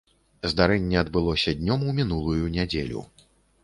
Здарэнне адбылося днём у мінулую нядзелю.